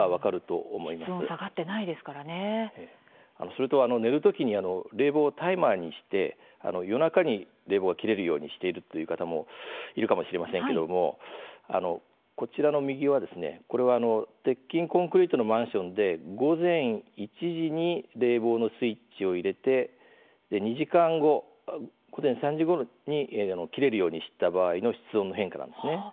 それと、寝るときに冷房をタイマーにして夜中に冷房が切れるようにしているという方もいるかもしれませんけれどこちらの右は、これは鉄筋コンクリートのマンションで午前１時に冷房のスイッチを入れて２時間後、午前３時ごろに切れるようにした場合の室温の変化なんですね。